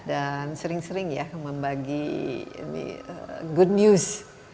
dan sering sering ya membagi good news